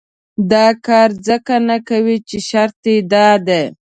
دا کار ځکه نه کوي چې شرط دا دی.